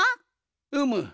うむ。